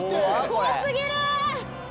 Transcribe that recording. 怖過ぎる。